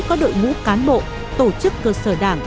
có đội ngũ cán bộ tổ chức cơ sở đảng